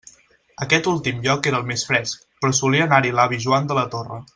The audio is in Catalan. Aquest últim lloc era el més fresc, però solia anar-hi l'avi Joan de la Torre.